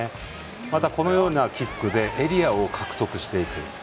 また、このようなキックでエリアを獲得していく。